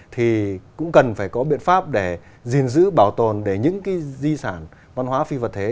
thì cũng cần phải có biện pháp để gìn giữ bảo tồn để những di sản văn hóa phi vật thể